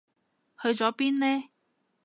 去咗邊呢？